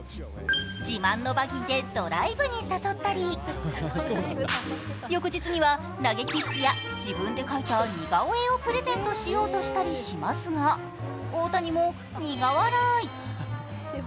自慢のバギーでドライブに誘ったり翌日には投げキッスや自分で描いた似顔絵をプレゼントしようとしますが、大谷も苦笑い。